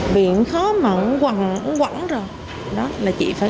viện khó mà cũng quẳng rồi